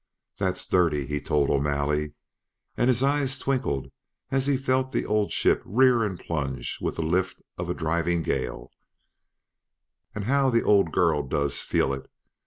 "That's dirty," he told O'Malley, and his eyes twinkled as he felt the old ship rear and plunge with the lift of a driving gale; "and how the old girl does feel it!